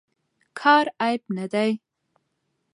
کار عیب نه دی.